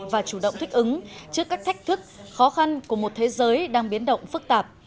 và chủ động thích ứng trước các thách thức khó khăn của một thế giới đang biến động phức tạp